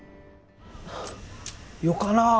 よかなぁ